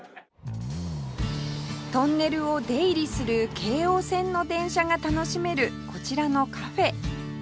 トンネルを出入りする京王線の電車が楽しめるこちらのカフェ